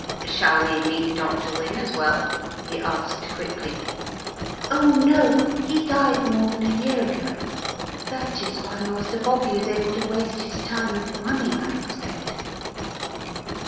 "Shall we meet Dr. Wynne as well?" he asked quickly. "Oh, no, he died more than a year ago; that is why Master Bobby is able to waste his time and money I expect."